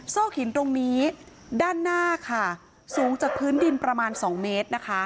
อกหินตรงนี้ด้านหน้าค่ะสูงจากพื้นดินประมาณ๒เมตรนะคะ